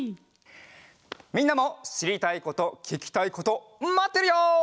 みんなもしりたいことききたいことまってるよ！